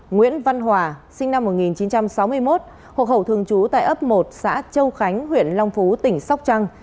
nguyễn văn hòa sinh năm một nghìn chín trăm sáu mươi một hộ khẩu thường trú tại ấp một xã châu khánh huyện long phú tỉnh sóc trăng